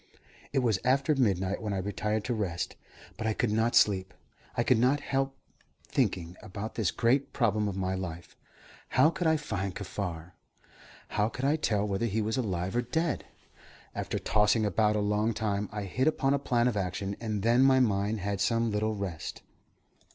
It was after midnight when I retired to rest, but I could not sleep. I could not help thinking about this great problem of my life. How could I find Kaffar? How could I tell whether he were alive or dead? After tossing about a long time, I hit upon a plan of action, and then my mind had some little rest.